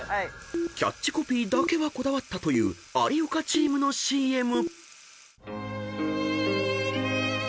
［キャッチコピーだけはこだわったという有岡チームのＣＭ］